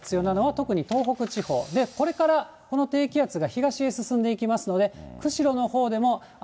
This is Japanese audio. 特に東北地方で、これからこの低気圧が東へ進んでいきますので、釧路のほうでも雨、